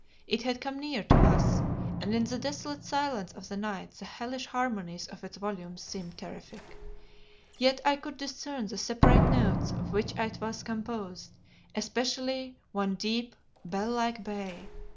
It had come near to us, and in the desolate silence of the night the hellish harmonies of its volume seemed terrific, yet I could discern the separate notes of which it was composed, especially one deep, bell like bay.